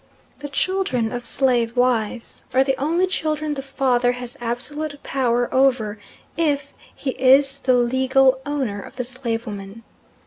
The children of slave wives are the only children the father has absolute power over if he is the legal owner of the slave woman.